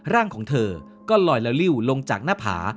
ร่างของเธอก็ลอยละลิ้วลงจากหน้าผา